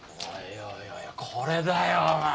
おいおいこれだよお前。